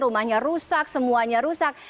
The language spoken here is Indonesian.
rumahnya rusak semuanya rusak